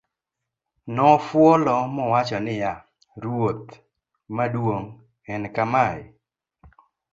nofuolo ma owacho niya, ruoth maduong' en kamaye